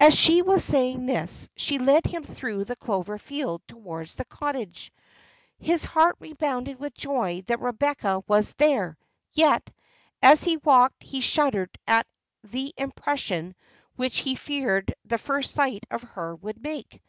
As she was saying this, she led him through the clover field towards the cottage. His heart rebounded with joy that Rebecca was there: yet, as he walked he shuddered at the impression which he feared the first sight of her would make.